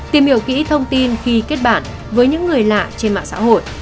tìm hiểu kỹ thông tin khi kết bạn với những người lạ trên mạng xã hội